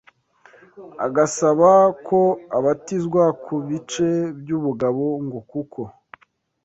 agasaba ko abatizwa ku bice by’ubugabo ngo kuko